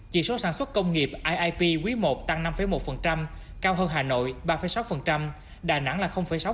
chỉ số sản xuất công nghiệp iip quý i tăng năm một cao hơn hà nội ba sáu đà nẵng là sáu